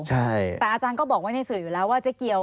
แต่อาจารย์ก็บอกไว้ในสื่ออยู่แล้วว่าเจ๊เกียว